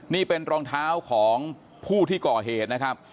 นี่เป็นรองเท้าของผู้ที่ก่อเหตุนะครับ